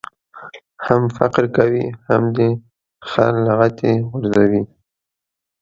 هم فقر کوې ، هم دي خر لغتي غورځوي.